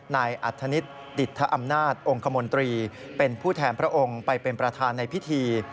นายอัธนิษฐ์ดิตทอำนาจองค์คมนตรีเป็นผู้แทนพระองค์ไปเป็นประธานในพิธี